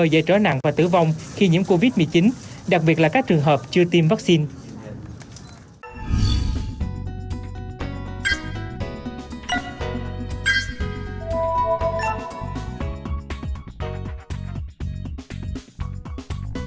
dễ trở nặng và tử vong khi nhiễm covid một mươi chín đặc biệt là các trường hợp chưa tiêm vaccine